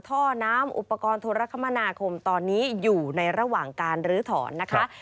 ท่อน้ำอุปกรณ์โทรคมนาคมตอนนี้อยู่ในระหว่างการลื้อถอนนะคะ